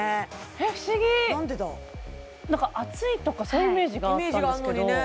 えっ不思議なんか熱いとかそういうイメージがあったんですけどイメージがあんのにね